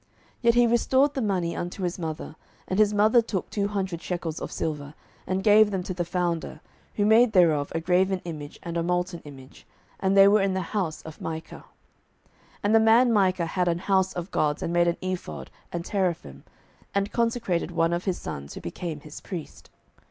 07:017:004 Yet he restored the money unto his mother; and his mother took two hundred shekels of silver, and gave them to the founder, who made thereof a graven image and a molten image: and they were in the house of Micah. 07:017:005 And the man Micah had an house of gods, and made an ephod, and teraphim, and consecrated one of his sons, who became his priest.